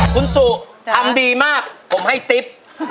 คุณสุทำดีมากผมให้ติ๊บ